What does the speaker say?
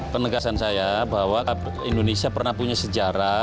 penegasan saya bahwa indonesia pernah punya sejarah